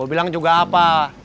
gua bilang juga apa